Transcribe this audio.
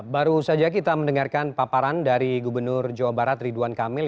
baru saja kita mendengarkan paparan dari gubernur jawa barat ridwan kamil